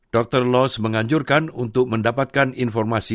dr los menganjurkan untuk mendapatkan informasi